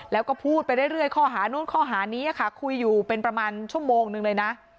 แล้วก็พูดไปเรื่อยข้อหานู้นข้อหานี้ค่ะคุยอยู่เป็นประมาณชั่วโมงนึงเลยนะ